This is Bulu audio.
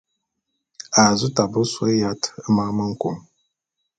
A zu tabe ôsôé yat e mane me nku.